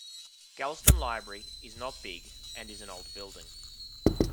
Galston Library is not big and is an old building.